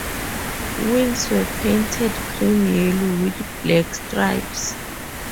Wheels were painted cream yellow with black stripes.